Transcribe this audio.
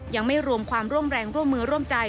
ยังไม่รวมความร่วมแรงร่วมมือร่วมใจ